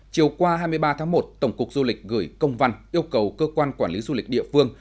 chiều qua hai mươi ba tháng một tổng cục du lịch gửi công văn yêu cầu cơ quan quản lý du lịch địa phương